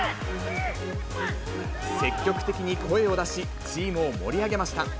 積極的に声を出し、チームを盛り上げました。